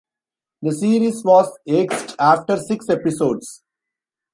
The series was axed after six episodes.